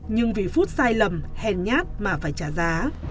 nhưng vì phút sai lầm hèn nhát mà phải trả giá